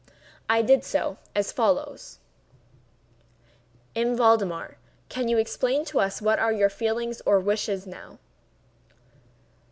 I did so, as follows: "M. Valdemar, can you explain to us what are your feelings or wishes now?"